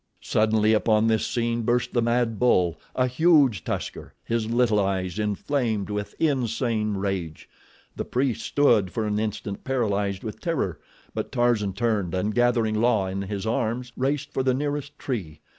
Suddenly upon this scene burst the mad bull—a huge tusker, his little eyes inflamed with insane rage. The priests stood for an instant paralyzed with terror; but Tarzan turned and gathering La in his arms raced for the nearest tree.